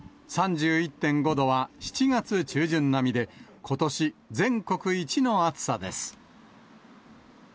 ３１．５度は７月中旬並みで、ことし全国一の暑さです。